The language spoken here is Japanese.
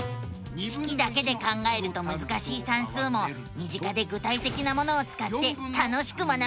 式だけで考えるとむずかしい算数も身近で具体的なものをつかって楽しく学べるのさ！